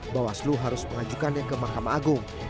bawaslu harus mengajukannya ke mahkamah agung